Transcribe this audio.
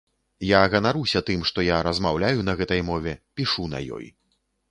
Я ганаруся тым, што я размаўляю на гэтай мове, пішу на ёй.